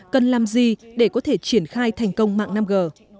cần làm gì để có thể triển khai thành công mạng năm g